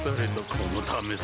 このためさ